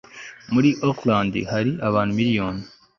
muri auckland hari abantu miliyoni